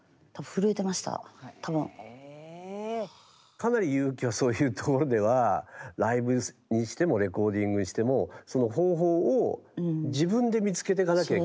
かなりＹＵ−ＫＩはそういうところではライブにしてもレコーディングにしてもその方法を自分で見つけてかなきゃいけなかったから。